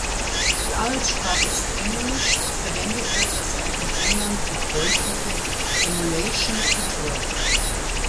Die Arbeitssprache ist Englisch, verwendet wird das auch in England gebräuchliche "Emulation Ritual".